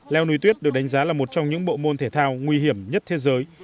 leo núi tuyết được đánh giá là một trong những bộ môn thể thao nguy hiểm nhất thế giới